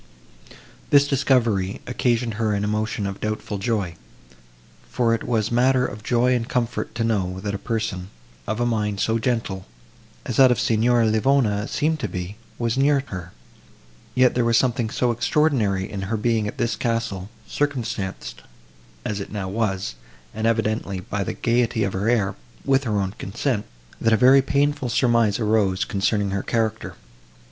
This discovery occasioned her an emotion of doubtful joy; for it was matter of joy and comfort to know, that a person, of a mind so gentle, as that of Signora Livona seemed to be, was near her; yet there was something so extraordinary in her being at this castle, circumstanced as it now was, and evidently, by the gaiety of her air, with her own consent, that a very painful surmise arose, concerning her character.